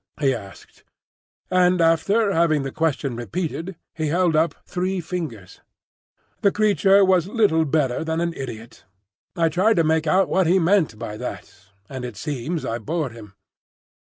he asked; and after having the question repeated, he held up three fingers. The creature was little better than an idiot. I tried to make out what he meant by that, and it seems I bored him.